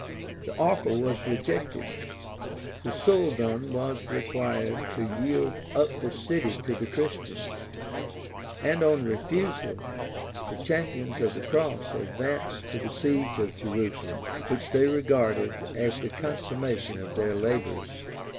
The offer was rejected; the soldan was required to yield up the city to the Christians; and on his refusal, the champions of the cross advanced to the siege of Jerusalem, which they regarded as the consummation of their labors.